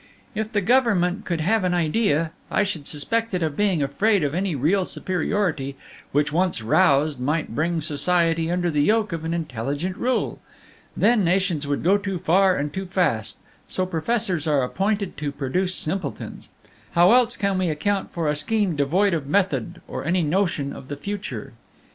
"If the Government could have an idea, I should suspect it of being afraid of any real superiority, which, once roused, might bring Society under the yoke of an intelligent rule. Then nations would go too far and too fast; so professors are appointed to produce simpletons. How else can we account for a scheme devoid of method or any notion of the future?